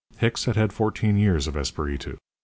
Hicks had had fourteen years of Esperitu.